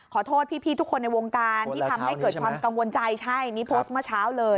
ขอโทษพี่ทุกคนในวงการที่ทำให้เกิดความกังวลใจใช่นี่โพสต์เมื่อเช้าเลย